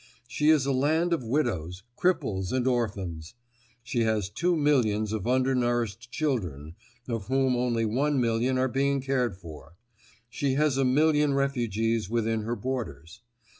She is a land of widows, cripples and orphans. She has two millions of under nourished children, of whom only one million are being cared for. She has a million refugees within her borders.